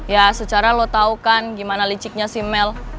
ya secara lo tau kan gimana liciknya si mel